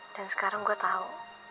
dan sekarang gue tau